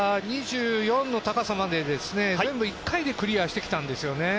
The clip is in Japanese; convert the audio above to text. ２４の高さまで全部１回でクリアしてきたんですよね。